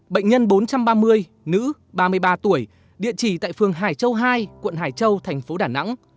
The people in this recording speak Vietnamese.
bệnh nhân bốn trăm ba mươi nữ ba mươi ba tuổi địa chỉ tại phường hải châu hai quận hải châu thành phố đà nẵng